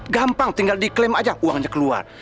gampang tinggal diklaim aja uangnya keluar